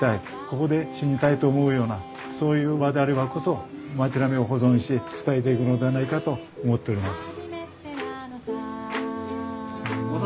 ここで死にたいと思うようなそういう場であればこそ町並みを保存し伝えていくのではないかと思っております。